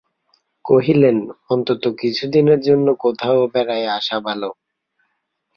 কহিলেন, অন্তত কিছুদিনের জন্য কোথাও বেড়াইয়া আসা ভালো।